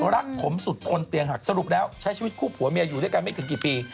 รักผมสุดทนเตียงหักสรุปแล้วใช้ชีวิตคู่ผัวเมียอยู่ด้วยกันไม่ถึงกี่ปี